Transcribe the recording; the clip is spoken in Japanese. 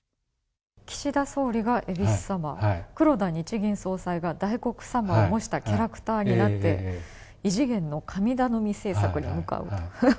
岸田総理が恵比寿様、黒田日銀総裁が大黒様を模したキャラクターになって、異次元の神頼み政策にむかうと。